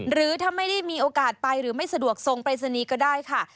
หรือถ้าไม่ได้มีโอกาสไปหรือไม่สะดวกส่งปรายศนีย์ก็ได้ค่ะ